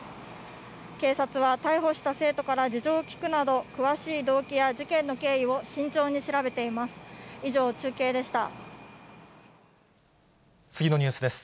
警察は、逮捕した生徒から事情を聴くなど、詳しい動機や事件の経緯を慎重に調べています。